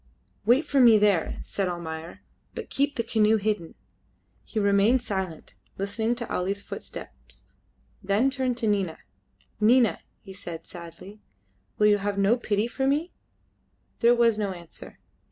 "Wait for me there," said Almayer, "but keep the canoe hidden." He remained silent, listening to Ali's footsteps, then turned to Nina. "Nina," he said sadly, "will you have no pity for me?" There was no answer.